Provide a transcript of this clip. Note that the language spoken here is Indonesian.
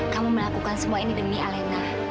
kamu melakukan semua ini demi alena